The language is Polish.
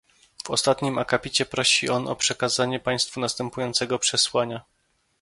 W ostatnim akapicie prosi on o przekazanie państwu następującego przesłania